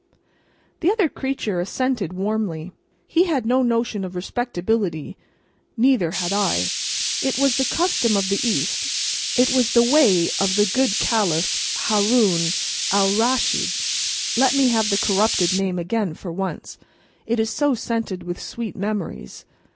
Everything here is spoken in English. The other creature assented warmly. He had no notion of respectability, neither had I. It was the custom of the East, it was the way of the good Caliph Haroun Alraschid (let me have the corrupted name again for once, it is so scented with sweet memories!)